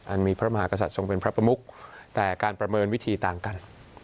มีพระมหากษัตริย์ทรงเป็นพระประมุกแต่การประเมินวิธีต่างกัน